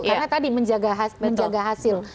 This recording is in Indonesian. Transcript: karena tadi menjaga hasil